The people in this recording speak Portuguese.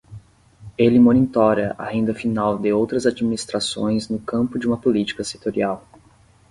Ele monitora a renda final de outras administrações no campo de uma política setorial.